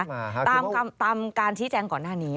ตามคำตามการชี้แจงก่อนหน้านี้